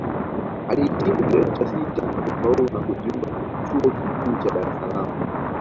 Alihitimu Kidato cha sita na kufaulu na kujiunga Chuo kikuu cha Dar es salaam